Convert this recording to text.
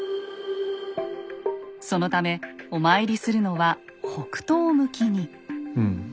そのためお参りするのは北東向きに。